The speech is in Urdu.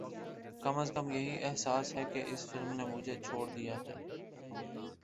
کم از کم یہی احساس ہے کہ اس فلم نے مجھے چھوڑ دیا ہے